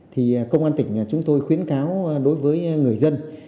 thì công an tỉnh chúng tôi khuyến cáo đối với người dân